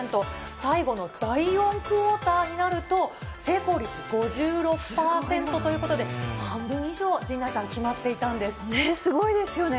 最後の第４クオーターになると、成功率５６％ということで、半分以上、陣内さん、決まっていすごいですよね。